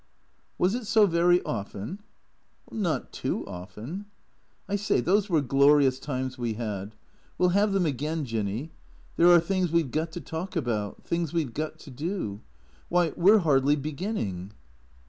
" Was it so very often ?"" Not too often." " I say, those were glorious times we had. We '11 have them again. Jinny. There are things we 've got to talk about. Things we 've got to do. Why, we 're hardly beginning."